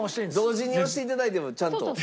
同時に押して頂いてもちゃんと。